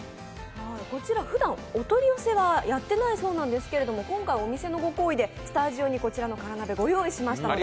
こちらふだんお取り寄せはやってないそうなんですけれども、今回、お店のご好意でスタジオに辛鍋ご用意しました。